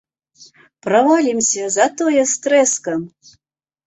Правалімся, затое з трэскам!